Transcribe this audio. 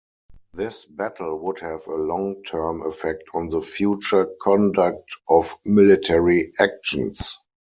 This battle would have a long-term effect on the future conduct of military actions.